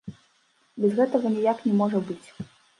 Без гэтага ніяк не можа быць.